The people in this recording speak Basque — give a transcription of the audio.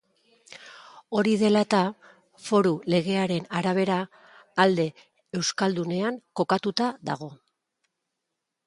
Hori dela eta, foru legearen arabera, alde euskaldunean kokatuta dago.